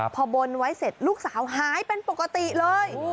พอบนไว้เสร็จลูกสาวหายเป็นปกติเลย